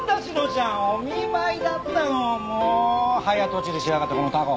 もう早とちりしやがってこのタコ！